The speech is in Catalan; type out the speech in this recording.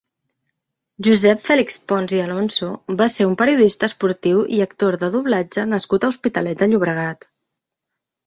Josep Fèlix Pons i Alonso va ser un periodista esportiu i actor de doblatge nascut a l'Hospitalet de Llobregat.